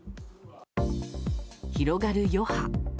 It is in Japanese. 広がる余波。